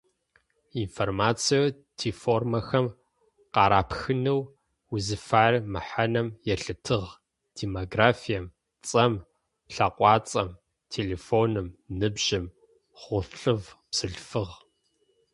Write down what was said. Информациеу тиформэхэм къарыпхынэу узфаер мэхьанэм елъытыгъ; демографием, цӏэм, лъэкъуацӏэм, телефоным, ныбжьым, хъулъфыгъ-бзылъфыгъ.